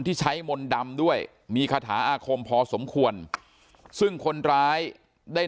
ที่ใช้มนต์ดำด้วยมีคาถาอาคมพอสมควรซึ่งคนร้ายได้